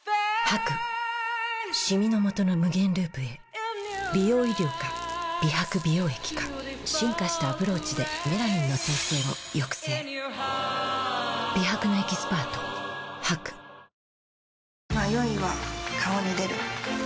シミのもとの無限ループへ美容医療か美白美容液か進化したアプローチでメラニンの生成を抑制美白のエキスパート迷いは顔に出る。